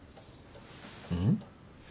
うん？